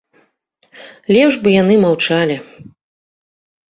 Лепш бы яны маўчалі.